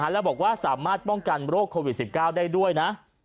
แล้วบอกว่าสามารถป้องกันโรคโควิด๑๙ได้ด้วยนะ